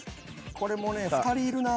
これもね２人いるな。